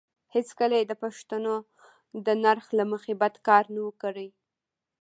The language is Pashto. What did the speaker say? هېڅکله یې د پښتنو د نرخ له مخې بد کار نه وو کړی.